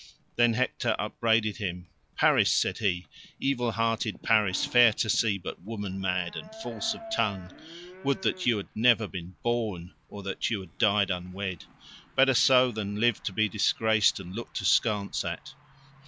Then Hector upbraided him. "Paris," said he, "evil hearted Paris, fair to see, but woman mad, and false of tongue, would that you had never been born, or that you had died unwed. Better so, than live to be disgraced and looked askance at.